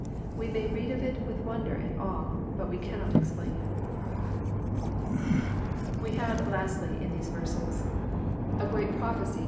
We may read of it with wonder and awe, but we cannot explain it. We have, lastly, in these verses, a great prophecy I JOHN 9 CHAP.